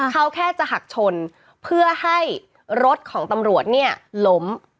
เขาแค่จะหักชนเพื่อให้รถของตำรวจเนี่ยล้ม